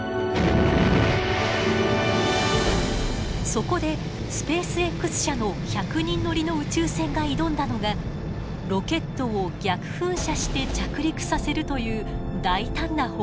そこでスペースＸ社の１００人乗りの宇宙船が挑んだのがロケットを逆噴射して着陸させるという大胆な方法です。